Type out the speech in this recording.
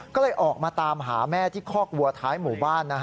ก็เลยออกมาตามหาแม่ที่คอกวัวท้ายหมู่บ้าน